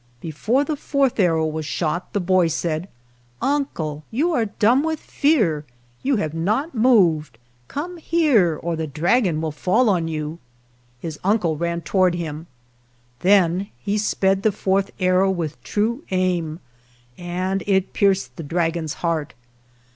Before the fourth arrow was shot the boy said, "Uncle, you are dumb with fear; you have not moved; come here or the dragon will fall on you." His uncle ran toward him. Then he sped the fourth arrow with true aim, and it pierced the dragon's heart.